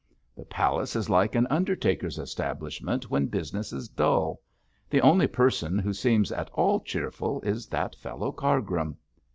The palace is like an undertaker's establishment when business is dull. The only person who seems at all cheerful is that fellow Cargrim.'